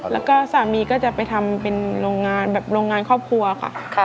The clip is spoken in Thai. แล้วก็สามีก็จะไปทำเป็นโรงงานแบบโรงงานครอบครัวค่ะ